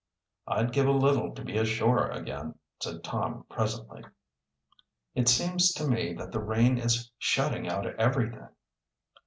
"I'd give a little to be ashore again," said Tom presently. "It seems to me that the rain is shutting out everything."